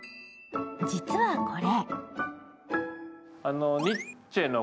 実はこれ。